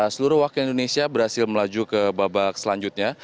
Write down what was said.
seluruh wakil indonesia berhasil melaju ke babak selanjutnya